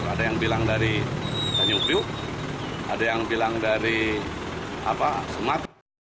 ada yang bilang dari tanyugriw ada yang bilang dari sumat